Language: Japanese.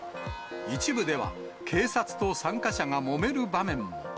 一部では、警察と参加者がもめる場面も。